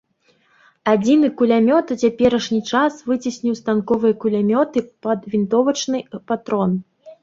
Адзіны кулямёт ў цяперашні час выцесніў станковыя кулямёты пад вінтовачны патрон.